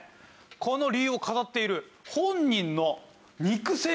この理由を語っている。